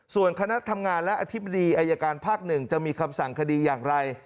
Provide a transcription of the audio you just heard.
ส่วนคณะทำงานและอธิบดีอายการภาค๑จะมีคำสั่งคดีอย่างไร